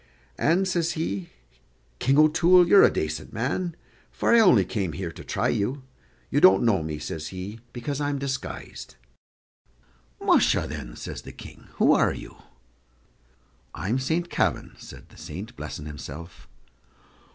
"And," says he, "King O'Toole, you're a dacent man, for I only came here to try you. You don't know me," says he, "because I'm disguised." "Musha! then," says the King, "who are you?" "I'm Saint Kavin," said the saint, blessing himself.